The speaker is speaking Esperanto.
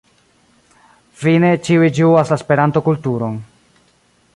Fine ĉiuj ĝuas la Esperanto-kulturon.